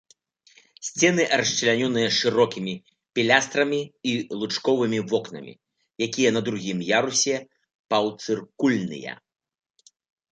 Сцены расчлянёны шырокімі пілястрамі і лучковымі вокнамі, якія на другім ярусе паўцыркульныя.